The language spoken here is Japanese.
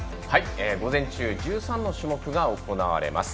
午前中、１３の種目が行われます。